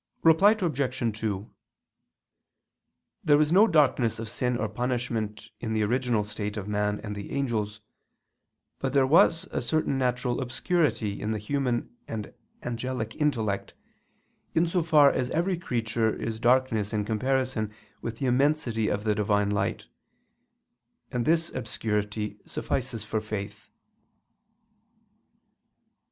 Reply Obj. 2: There was no darkness of sin or punishment in the original state of man and the angels, but there was a certain natural obscurity in the human and angelic intellect, in so far as every creature is darkness in comparison with the immensity of the Divine light: and this obscurity suffices for faith.